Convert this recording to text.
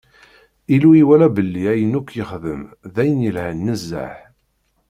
Illu iwala belli ayen akk yexdem d ayen yelhan nezzeh.